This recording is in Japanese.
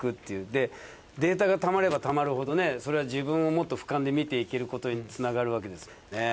データがたまればたまるほどそれは自分をもっとふかんで見ていけることにつながるわけですもんね。